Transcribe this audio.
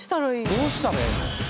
どうしたらええの？